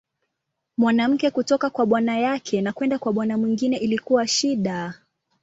Mwanamke kutoka kwa bwana yake na kwenda kwa bwana mwingine ilikuwa shida.